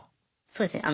そうですね。